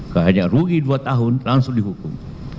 karena hanya rugi dua tahun langsung dihukum